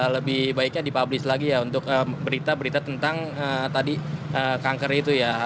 lebih baiknya dipublis lagi ya untuk berita berita tentang tadi kanker itu ya